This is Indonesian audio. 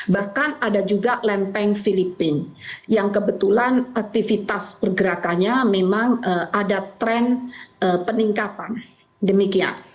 bahkan ada juga lempeng filipina yang kebetulan aktivitas pergerakannya memang ada tren peningkatan demikian